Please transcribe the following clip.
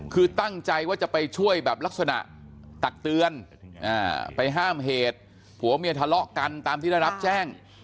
คือตั้งใจว่าจะไปช่วยแบบลักษณะตักเตือนไปห้ามเหตุผัวเมียทะเลาะกันตามที่ได้รับแจ้ง